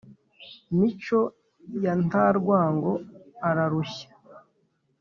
mico ya nta rwango ararushya